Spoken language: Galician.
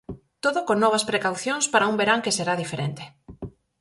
Todo con novas precaucións para un verán que será diferente.